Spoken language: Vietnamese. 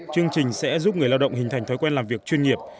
chương trình sẽ giúp người lao động hình thành thói quen làm việc chuyên nghiệp